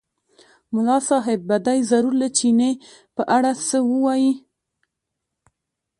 ملا صاحب به دی ضرور له چیني په اړه څه ووایي.